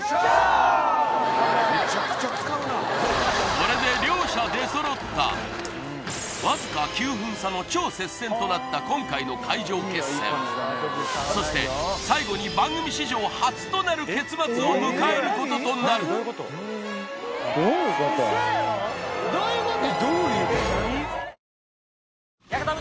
これでわずか９分差の超接戦となった今回の海上決戦そして最後に番組史上初となる結末を迎えることとなるどういうこと！？